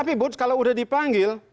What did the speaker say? tapi bud kalau sudah dipanggil